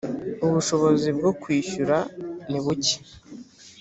ubushobozi bwo kwishyura nibuke.